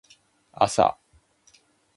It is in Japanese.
あさ